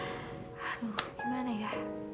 aduh gimana ya